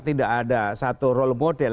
tidak ada satu role model